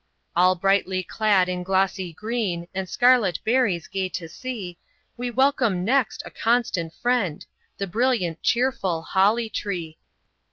All brightly clad in glossy green, And scarlet berries gay to see, We welcome next a constant friend, The brilliant, cheerful HOLLY TREE.